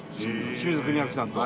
清水国明さんと。